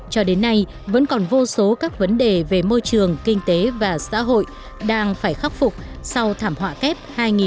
cho đến nay vẫn còn vô số các vấn đề về môi trường kinh tế và xã hội đang phải khắc phục sau thảm họa kép hai nghìn một mươi tám